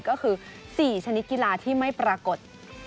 ก็คือ๔ชนิดกีฬาที่ไม่ปรากฏ